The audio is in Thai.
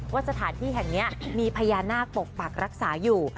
สถานที่แห่งนี้มีพญานาคปกปักรักษาอยู่